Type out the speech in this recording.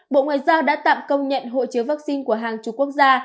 bộ ngoại giao đã tạm công nhận hộ chiếu vaccine của hàng chục quốc gia